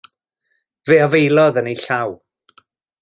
Fe afaelodd yn ei llaw.